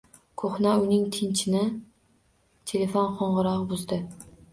Ko`hna uyning tinchini telefon ko`ng`irog`i buzdi